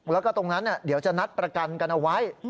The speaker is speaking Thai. แล้วก็ตรงนั้นเดี๋ยวจะนัดประกันกันเอาไว้